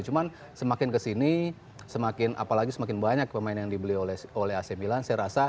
cuman semakin kesini semakin apalagi semakin banyak pemain yang dibeli oleh ac milan saya rasa